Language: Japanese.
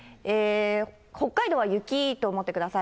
北海道は雪と思ってください。